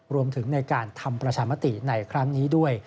รวมถึงในการทำประชามติในครั้งนี้ด้วย